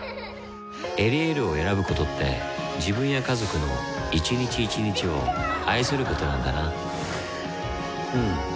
「エリエール」を選ぶことって自分や家族の一日一日を愛することなんだなうん。